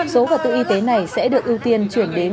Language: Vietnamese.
số vật tư y tế này sẽ được ưu tiên chuyển đến